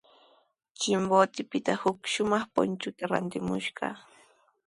Chimbotepita huk shumaq punchuta rantimushqa.